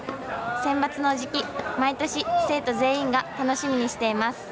センバツの時期、毎年生徒全員が楽しみにしています。